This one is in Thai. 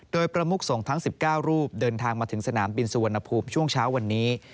โดยประมุกส่งทั้ง๑๙รูปเดินทางมาถึงสนามบินสุวรรณภูมิช่วงเช้าวันนี้